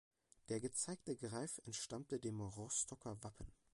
Der gezeigte Greif entstammte dem Rostocker Wappen.